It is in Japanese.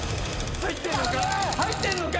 入ってんのか？